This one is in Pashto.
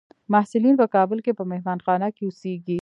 محصلین په کابل کې په مهانخانه کې اوسیږي.